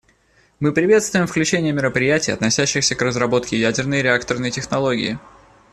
Мы приветствуем включение мероприятий, относящихся к разработке ядерной реакторной технологии.